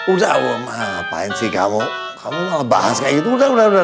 udah apaan sih kamu kamu malah bahas kayak gitu udah udah udah